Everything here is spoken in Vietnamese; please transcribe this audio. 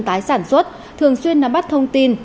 tái sản xuất thường xuyên nắm bắt thông tin